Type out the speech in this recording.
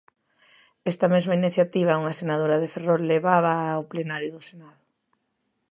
Esta mesma iniciativa, unha senadora de Ferrol levábaa ao plenario do Senado.